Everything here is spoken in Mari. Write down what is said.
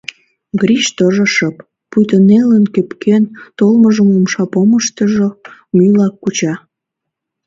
Гриш тожо шып, пуйто нелын-кӧпкен толмыжым умша помыштыжо мӱйла куча.